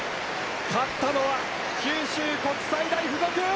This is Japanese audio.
勝ったのは九州国際大付属！